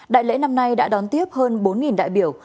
đại lễ năm nay đã đón tiếp hơn bốn đại biểu